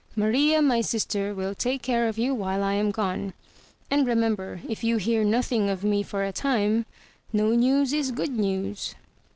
Maria, my sister, will take care of you while I am gone; and remember if you hear nothing of me for a time, no news is good news."